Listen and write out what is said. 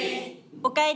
おかえり。